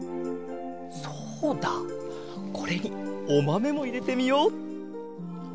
そうだこれにおまめもいれてみよう。